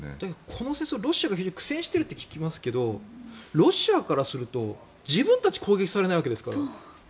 この戦争は非常にロシアが苦戦していると聞きますけれどロシアからすると自分たちは攻撃されないわけですから。